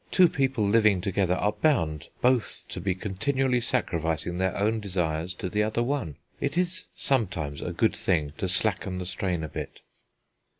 Two people living together are bound both to be continually sacrificing their own desires to the other one. It is sometimes a good thing to slacken the strain a bit."